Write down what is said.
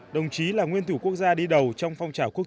đồng chí là nguyên thủ quốc gia đi đầu trong phong trào quốc